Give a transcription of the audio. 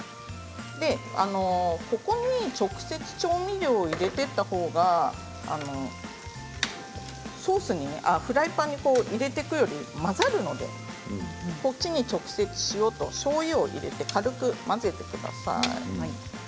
ここに直接、調味料を入れていったほうがフライパンに入れていくよりも混ざるのでこっちに直接、塩としょうゆを入れて軽く混ぜてください。